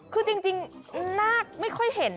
คือจริงนาคไม่ค่อยเห็น